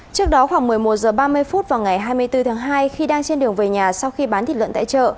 trước đó khoảng một mươi một h ba mươi vào ngày hai mươi bốn tháng hai khi đang trên đường về nhà sau khi bán thịt lợn tại chợ